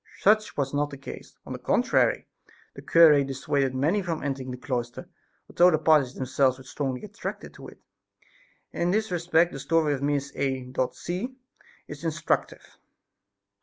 Such was not the case; on the contrary the cure dissuaded many from entering the cloister, although the parties themselves felt strongly attracted to it. In this respect the story of Miss A. C. is instructive.